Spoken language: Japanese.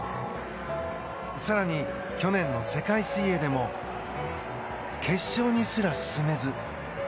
更に、去年の世界水泳でも決勝にすら進めず。